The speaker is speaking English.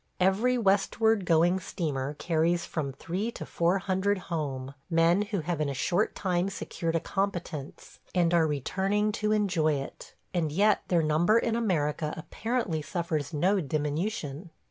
Every westward going steamer carries from three to four hundred home, men who have in a short time secured a competence, and are returning to enjoy it; and yet their number in America apparently suffers no diminution.